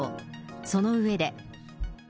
その上で。